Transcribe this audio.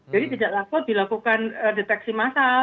jadi tidak takut dilakukan deteksi masal